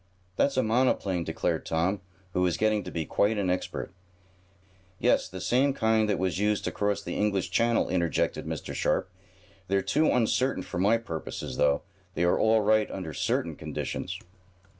"That's a monoplane," declared Tom, who was getting to be quite an expert. "Yes, the same kind that was used to cross the English Channel," interjected Mr. Sharp. "They're too uncertain for my purposes, though; they are all right under certain conditions."